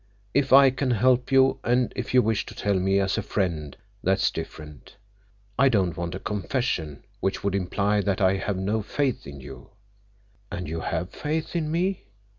If I can help you, and if you wish to tell me as a friend, that's different. I don't want a confession, which would imply that I have no faith in you." "And you have faith in me?"